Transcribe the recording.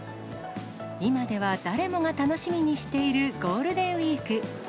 今では誰もが楽しみにしているゴールデンウィーク。